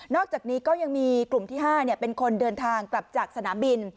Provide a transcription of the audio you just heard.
อกจากนี้ก็ยังมีกลุ่มที่๕เป็นคนเดินทางกลับจากสนามบิน